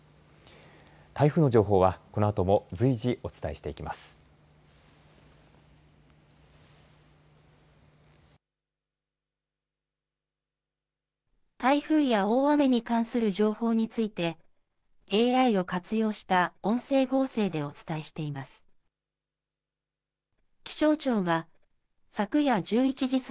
台風の情報は、このあとも随時お伝えしていきます。